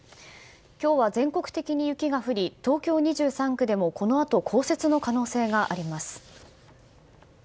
今日は全国的に雪が降り東京２３区でもこのあと降雪の可能性があります。